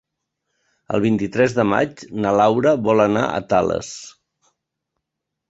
El vint-i-tres de maig na Laura vol anar a Tales.